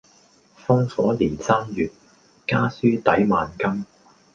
烽火連三月，家書抵萬金